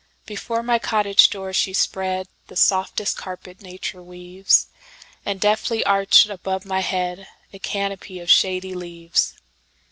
Before my cottage door she spreadThe softest carpet nature weaves, And deftly arched above my headA canopy of shady leaves.